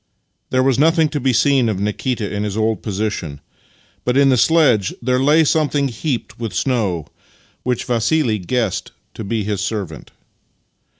There was nothing to be seen of Nikita in his old posi tion, but in the sledge there lay something heaped with snow, which Vassili guessed to be his servant.